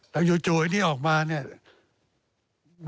แต่จู่จะเอียงแบบนี้ออกมาเนี้ย